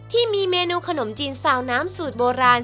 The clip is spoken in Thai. ที่มีเมนูขนมจีนซาวน้ำสูตรโบราณ